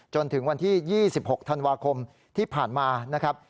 จนถึงวันที่๒๖ธันวาคมที่ผ่านมานะครับ